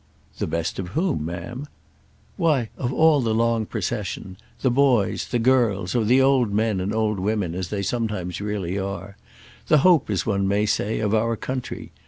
"The best of whom, ma'am?" "Why of all the long procession—the boys, the girls, or the old men and old women as they sometimes really are; the hope, as one may say, of our country.